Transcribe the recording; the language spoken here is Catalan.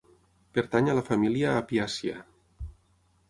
Pertany a la família apiàcia.